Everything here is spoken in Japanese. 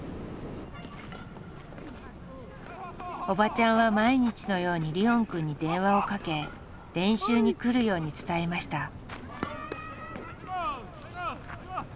おばちゃんは毎日のようにリオンくんに電話をかけ練習に来るように伝えました。